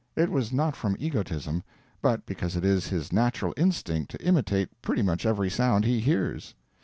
It was not from egotism, but because it is his natural instinct to imitate pretty much every sound he hears.